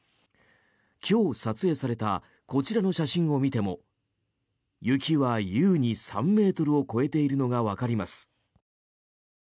今日撮影されたこちらの写真を見ても雪は優に３ｍを超えているのがわかります。